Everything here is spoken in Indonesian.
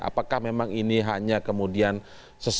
apakah memang ini hanya kemudian sesuai